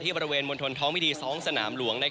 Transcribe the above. ที่บรรเวณมนตรท้องวิธี๒สนามหลวง